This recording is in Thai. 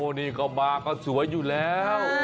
นี่ก็มาก็สวยอยู่แล้ว